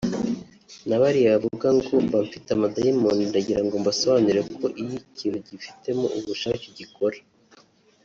"Na bariya bavuga ngo mba mfite amadayimoni ndagirango mbasobanurire ko iyo ikintu ugifitemo ubushake ugikora’’